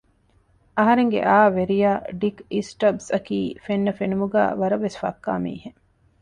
އަހަރެންގެ އައު ވެރިޔާ ޑިކް އިސްޓަބްސް އަކީ ފެންނަ ފެނުމުގައި ވަރަށް ވެސް ފައްކާ މީހެއް